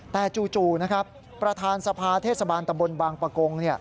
แต่จู่นะครับประธานสภาเทศบาลตำบลบางปะกง